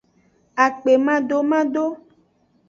Akpemadomado.